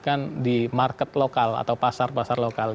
atau mungkin bahkan di market lokal atau pasar pasar lokal